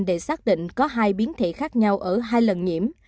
để xác định có hai biến thể khác nhau ở hai lần nhiễm